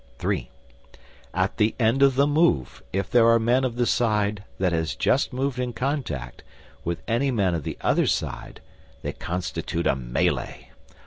(3) At the end of the move, if there are men of the side that has just moved in contact with any men of the other side, they constitute a melee.